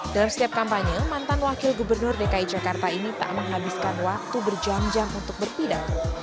dalam setiap kampanye mantan wakil gubernur dki jakarta ini tak menghabiskan waktu berjam jam untuk berpidato